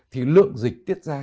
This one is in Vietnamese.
thì lượng dịch tiết ra